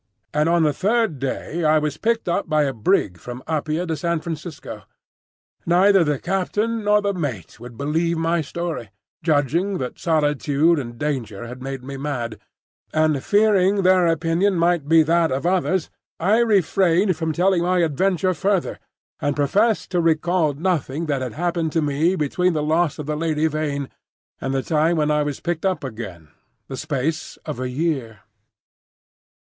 And on the third day I was picked up by a brig from Apia to San Francisco. Neither the captain nor the mate would believe my story, judging that solitude and danger had made me mad; and fearing their opinion might be that of others, I refrained from telling my adventure further, and professed to recall nothing that had happened to me between the loss of the Lady Vain and the time when I was picked up again,—the space of a year.